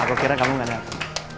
aku kira kamu gak dapat